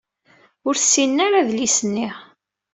Ur ssinen ara adlis-nni.